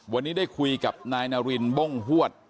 วันนี้ได้คุยกับนายนารินบ้งหวด